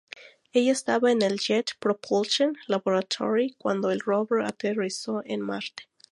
Ella estaba en el Jet Propulsion Laboratory cuando el rover aterrizó en Marte.